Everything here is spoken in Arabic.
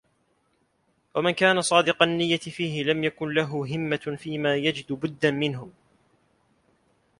وَمَنْ كَانَ صَادِقَ النِّيَّةِ فِيهِ لَمْ يَكُنْ لَهُ هِمَّةٌ فِيمَا يَجِدُ بُدًّا مِنْهُ